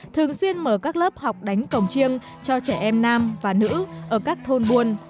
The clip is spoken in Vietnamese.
thường xuyên mở các lớp học đánh cổng trương cho trẻ em nam và nữ ở các thôn buôn